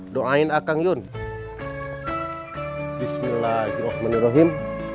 doain akan yun bismillahirrohmanirrohim